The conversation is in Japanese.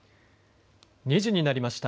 ２時になりました。